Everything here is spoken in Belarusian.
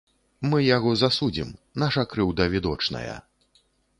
Мы яго засудзім, наша крыўда відочная.